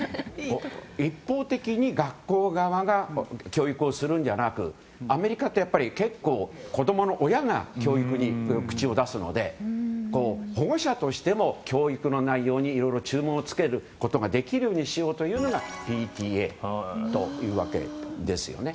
一方的に学校側が教育するのではなくアメリカは子供の親が教育に口を出すので保護者としても教育の内容にいろいろ注文を付けることができるようにしようというのがＰＴＡというわけですよね。